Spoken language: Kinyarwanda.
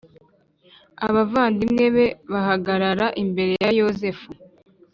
Abavandimwe be bahagarara imbere ya Yosefu